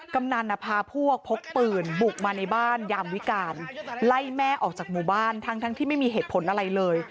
กำนันพาพวกพกปืนบุกมาในบ้านยามวิการไล่แม่ออกจากหมู่บ้านทั้งที่ไม่มีเหตุผลอะไรเลย